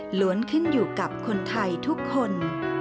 ล้วนขึ้นอยู่กับคนไทยทุกคน